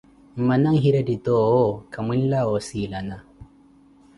Mmana n`hiretti toowo khamwinlawa osiilana.